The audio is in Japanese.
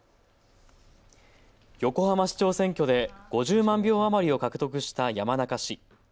横浜市長選挙で５０万票余りを獲得した山中氏。